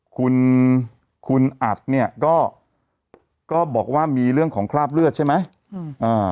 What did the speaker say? คุณคุณอัดเนี่ยก็ก็บอกว่ามีเรื่องของคราบเลือดใช่ไหมอืมอ่า